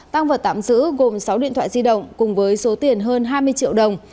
tăng vật tạm giữ gồm sáu điện thoại di động cùng với số tiền hơn hai mươi triệu đồng